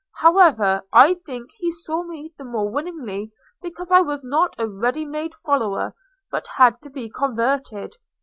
However, I think he saw me the more willingly because I was not a ready made follower, but had to be converted.